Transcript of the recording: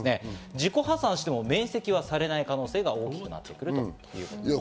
自己破産しても免責されない可能性が大きくなっているということです。